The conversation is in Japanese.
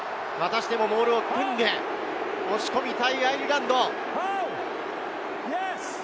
モールを組んで押し込みたいアイルランド。